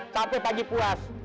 sampai haji puas